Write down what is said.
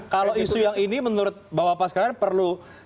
kalau isu yang ini menurut bapak sekarang perlu